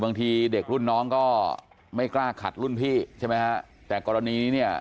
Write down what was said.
บางทีเด็กรุ่นน้องก็ไม่กล้าขัดรุ่นพี่